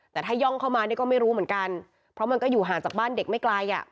แต่ถ้าย่องเข้ามาเนี่ยก็ไม่รู้เหมือนกันเพราะมันก็อยู่ห่างจากบ้านเด็กไม่ไกลอ่ะ